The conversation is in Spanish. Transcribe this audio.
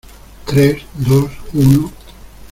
tres, dos , uno...